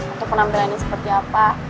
atau penampilannya seperti apa